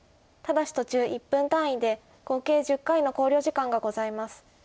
ただし途中１分単位で合計１０回の考慮時間がございます。